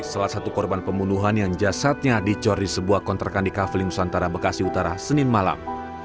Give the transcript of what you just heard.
salah satu korban pembunuhan yang jasadnya dicor di sebuah kontrakan di kafling nusantara bekasi utara senin malam